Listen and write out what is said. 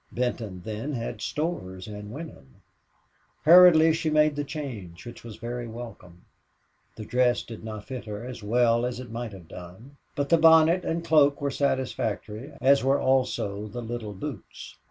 Benton, then, had stores and women. Hurriedly she made the change, which was very welcome. The dress did not fit her as well as it might have done, but the bonnet and cloak were satisfactory, as were also the little boots.